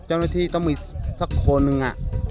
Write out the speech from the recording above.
เธ้าหน้าที่ต้องอย่ากว้างคนนึง